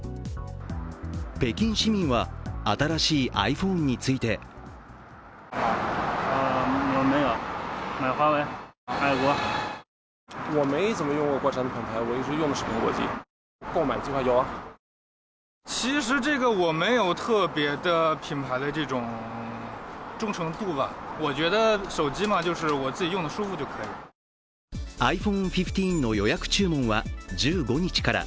北京市民は、新しいｉＰｈｏｎｅについてｉＰｈｏｎｅ１５の予約注文は１５日から。